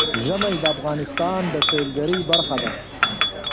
ژمی د افغانستان د سیلګرۍ برخه ده.